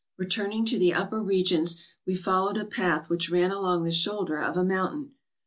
Returning to the upper regions, we followed a path which ran along the shoulder of a mountain.